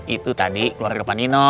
itu tadi keluarga panino